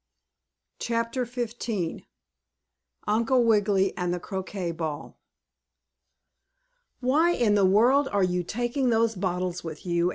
CHAPTER XV UNCLE WIGGILY AND THE CROQUET BALL "Why in the world are you taking those bottles with you?"